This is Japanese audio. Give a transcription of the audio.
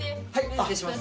失礼します。